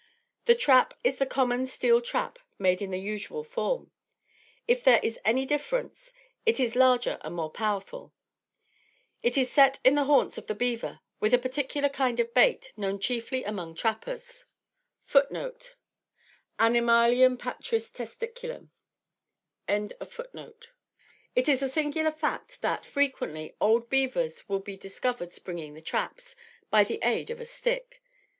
The trap is the common steel trap made in the usual form; if there is any difference, it is larger and more powerful. It is set in the haunts of the beaver with a particular kind of bait known chiefly among trappers. It is a singular fact that, frequently, old beavers will be discovered springing the traps, by the aid of a stick.